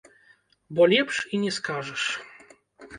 Бо лепш і не скажаш!